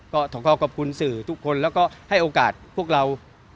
ขอขอบคุณสื่อทุกคนแล้วก็ให้โอกาสพวกเรา